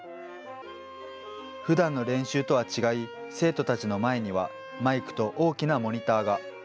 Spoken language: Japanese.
ふだんの練習とは違い、生徒たちの前には、マイクと大きなモニターが。